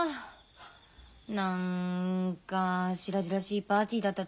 何か白々しいパーティーだったと思いません？